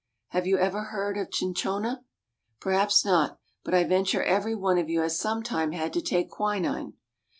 Have you ever heard of cinchona? Perhaps not, but I venture every one of you has sometime had to take quinine.